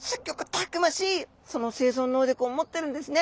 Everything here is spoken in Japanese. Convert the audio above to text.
たくましい生存能力を持ってるんですね。